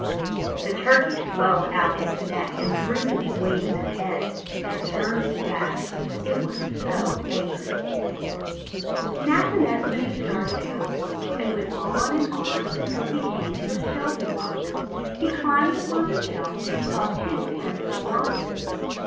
The Turkey swelled out its neck, and drooped its wings and head, and turned its back, it was so angry. PET TURKEY'S FEELINGS HURT 367 Natinesthani started out, and went on and on, until he came to a shelving rock. He climbed upon the shelf and saw two handsome lodges.